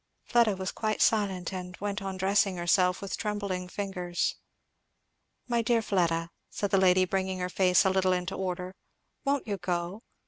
Fleda was quite silent, and went on dressing herself with trembling fingers. "My dear Fleda," said the lady bringing her face a little into order, "won't you go?